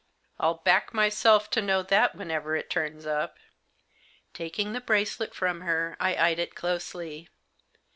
I'll back myself to know that wherever it turns up." Taking the bracelet from her I eyed it closely.